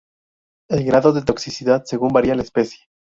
El grado de toxicidad varía según la especie.